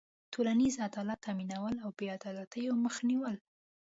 ټولنیز عدالت تأمینول او بېعدالتيو مخه نېول.